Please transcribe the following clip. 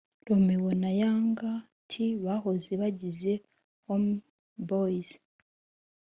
Romeo na Young T bahoze bagize Home boyz